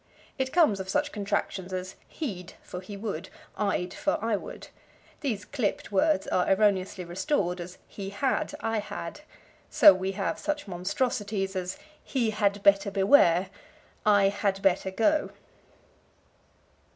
It comes of such contractions as he'd for he would, I'd for I would. These clipped words are erroneously restored as "he had," "I had." So we have such monstrosities as "He had better beware," "I had better go."